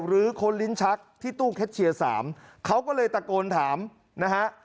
หรือค้นลิ้นชักที่ตู้แคชเชียร์๓เขาก็เลยตะโกนถามนะฮะ